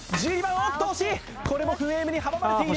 おっと惜しいこれもフレームに阻まれている